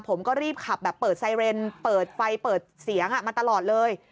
ผมก็รีบขับแบบเปิดไซเรนเปิดไฟเปิดเสียงมาตลอดเลย